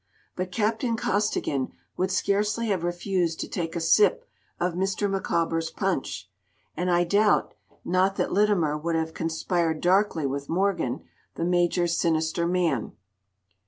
But Captain Costigan would scarcely have refused to take a sip of Mr. Micawber's punch, and I doubt, not that Litimer would have conspired darkly with Morgan, the Major's sinister man.